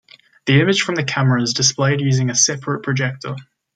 The image from the camera is displayed using a separate projector.